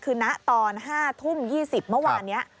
คือณตอน๕ทุ่ม๒๐เมื่อวานนี้